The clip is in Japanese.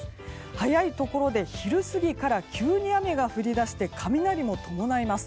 早いところで昼過ぎから急に雨が降り出して雷も伴います。